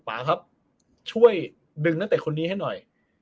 ป่าครับช่วยดึงนักเตะคนนี้ให้หน่อย